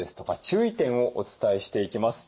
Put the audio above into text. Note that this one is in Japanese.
注意点をお伝えしていきます。